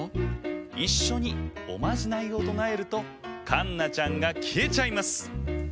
いっしょにおまじないをとなえるとかんなちゃんがきえちゃいます！